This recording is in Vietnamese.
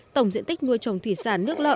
tổng diện tích nuôi trồng thủy sản nước lợ